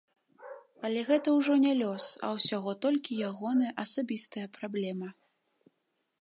Але гэта ўжо не лёс, а ўсяго толькі ягоная асабістая праблема.